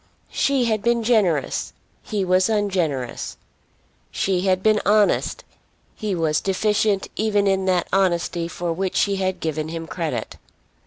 She had been generous; he was ungenerous. She had been honest; he was deficient even in that honesty for which she had given him credit.